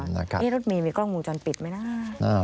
นี่รถเมย์มีกล้องวงจรปิดไหมนะ